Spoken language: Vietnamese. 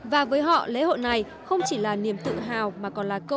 và với họ lễ hội này không chỉ là niềm tự hào mà còn là cơ hội